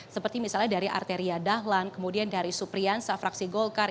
seperti misalnya dari arteria dahlan kemudian dari supriyansa fraksi golkar